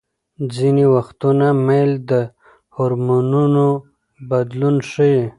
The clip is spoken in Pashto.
ځینې وختونه میل د هورمونونو بدلون ښيي.